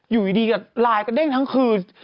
อยู่ดีกับไลน์ก็เด้งทั้งคืน